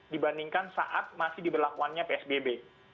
dibandingkan saat masih diberlakuannya psbb